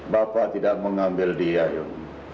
bapak tidak akan mengambil dia iwn